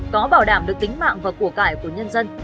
có bảo đảm được tính mạng và của cải của nhân dân